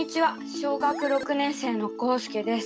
小学６年生のこうすけです。